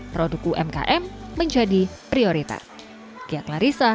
produk umkm menjadi prioritas